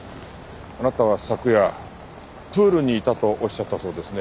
あなたは昨夜プールにいたとおっしゃったそうですね。